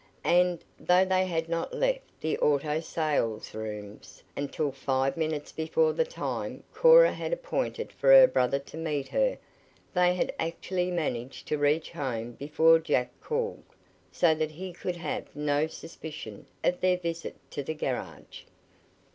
And, though they had not left the auto salesrooms until five minutes before the time Cora had appointed for her brother to meet her, they had actually managed to reach home before Jack called, so that he could have no suspicion of their visit to the garage.